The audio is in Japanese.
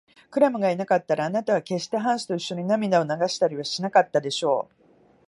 クラムがいなかったら、あなたはけっしてハンスといっしょに涙を流したりしなかったでしょう。